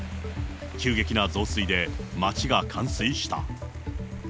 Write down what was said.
急激な増水で町が冠水した。